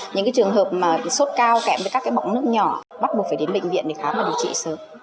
những trường hợp sốt cao kèm với các bỏng nước nhỏ bắt buộc phải đến bệnh viện để khám và điều trị sớm